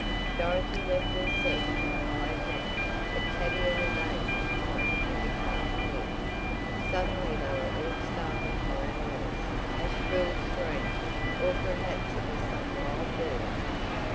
Dorothy left her seat and followed Nat, but Tavia remained behind in the car with Ned. Suddenly they were all startled by a noise a shrill scream or perhaps it was some wild bird.